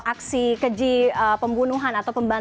aksi keji pembunuhan atau pembantu